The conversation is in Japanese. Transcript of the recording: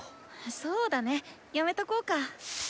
そうだねやめとこうか。